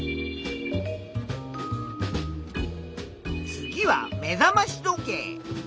次は目覚まし時計。